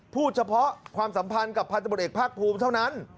พูดเฉพาะความสัมพันธ์กับพันธบทเอกภาคภูมิเท่านั้น